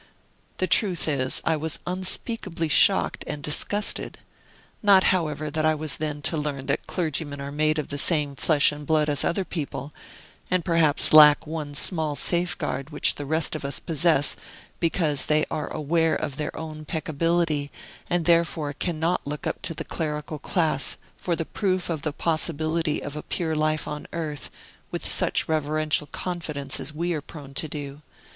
The truth is, I was unspeakably shocked and disgusted. Not, however, that I was then to learn that clergymen are made of the same flesh and blood as other people, and perhaps lack one small safeguard which the rest of us possess, because they are aware of their own peccability, and therefore cannot look up to the clerical class for the proof of the possibility of a pure life on earth, with such reverential confidence as we are prone to do.